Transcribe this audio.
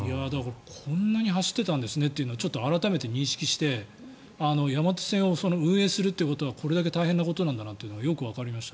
こんなに走ってたんですねというのを改めて認識して、山手線を運営することはこれだけ大変なんだなとよくわかりました。